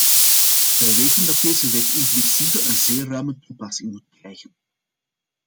Wij weten dat deze wet in principe een zeer ruime toepassing moet krijgen.